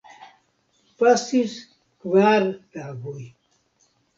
Pasis kvar tagoj.